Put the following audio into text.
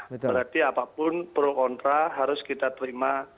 berarti apapun pro kontra harus kita terima